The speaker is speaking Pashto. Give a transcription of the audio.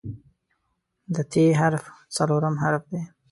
د "ت" حرف څلورم حرف دی.